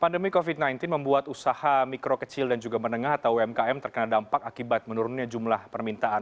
pandemi covid sembilan belas membuat usaha mikro kecil dan juga menengah atau umkm terkena dampak akibat menurunnya jumlah permintaan